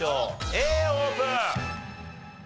Ａオープン。